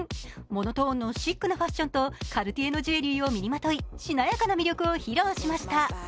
モノトーンのシックなファッションと、カルティエのジュエリーを身にまとい、しなやかな魅力を披露しました。